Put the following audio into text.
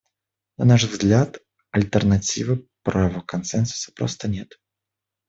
На наш взгляд, альтернативы правилу консенсуса просто нет.